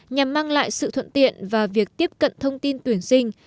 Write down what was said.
nhằm mang lại sự thuận tiện và việc tiếp cận thông tin tuyển sinh